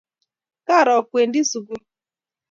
Karo kwendi sugul.